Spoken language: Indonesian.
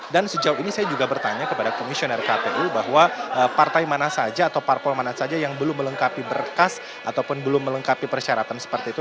dan sejauh ini saya juga bertanya kepada komisioner kpu bahwa partai mana saja atau parpol mana saja yang belum melengkapi berkas ataupun belum melengkapi persyaratan seperti itu